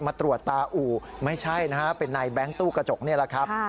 มาตรวจตาอู่ไม่ใช่นะฮะเป็นนายแบงค์ตู้กระจกนี่แหละครับ